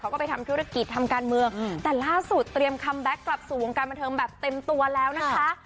ไปทำธุรกิจทำการเมืองแต่ล่าสุดเตรียมคัมแบ็คกลับสู่วงการบันเทิงแบบเต็มตัวแล้วนะคะ